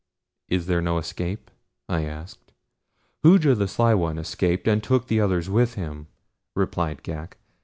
"Is there no escape?" I asked. "Hooja the Sly One escaped and took the others with him," replied Ghak.